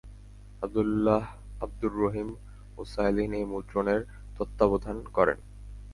Abdullah Abdur Rahim Usaylin এই মুদ্রণের তত্ত্বাবধান করেন।